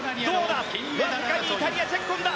わずかにイタリア、チェッコンだ。